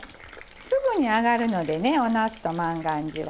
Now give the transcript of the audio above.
すぐに揚がるのでねおなすと万願寺は。